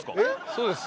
そうです。